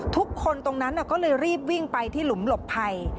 ทุกคนตรงนั้นก็เลยรีบวิ่งไปที่หลุมหลบภัย